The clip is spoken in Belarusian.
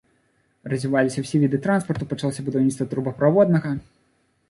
Развіваліся ўсе віды транспарту, пачалося будаўніцтва трубаправоднага.